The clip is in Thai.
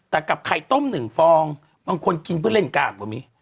แต่กับไข่ต้ม๑ฟองบางคนกินเพื่อเล่นกากก็มี